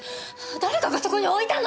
誰かがそこに置いたのよ！